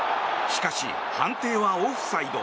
しかし、判定はオフサイド。